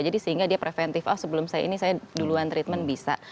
jadi sehingga dia preventif oh sebelum saya ini saya duluan treatment bisa